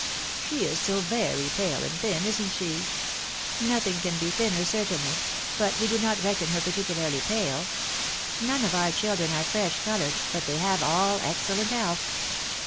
" She is so very pale and thin ! isn't she ?" Nothing can be thinner, certainly — but we do not reckon her particularly pale. None of our children are fresh coloured —but they have all excellent health."